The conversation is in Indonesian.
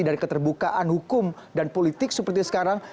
dari keterbukaan hukum dan politik seperti sekarang